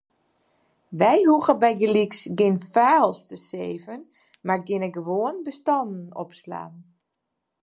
We hoege bygelyks gjin files te saven, mar kinne gewoan bestannen opslaan.